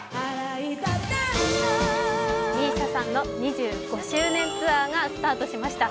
ＭＩＳＩＡさんの２５周年ツアーがスタートしました。